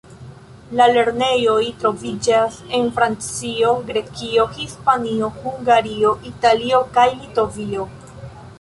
La lernejoj troviĝas en Francio, Grekio, Hispanio, Hungario, Italio kaj Litovio.